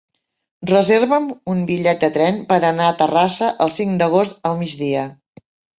Reserva'm un bitllet de tren per anar a Terrassa el cinc d'agost al migdia.